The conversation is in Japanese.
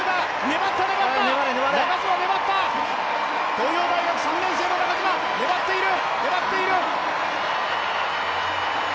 粘った、東洋大学３年生の中島、粘っている。